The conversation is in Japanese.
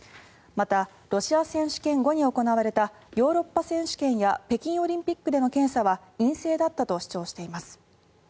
また、ロシア選手権後に行われたヨーロッパ選手権や北京オリンピックでの検査は陰性だったと主張しています。